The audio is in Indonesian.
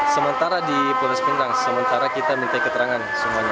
sementara di polres pinang sementara kita minta keterangan semuanya